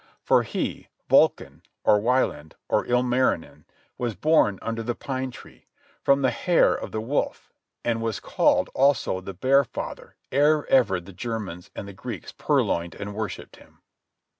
For, he, Vulcan, or Wieland, or Il marinen, was born under the pine tree, from the hair of the wolf, and was called also the bear father ere ever the Germans and Greeks purloined and worshipped him.